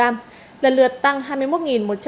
lần lượt tăng hai mươi một một trăm linh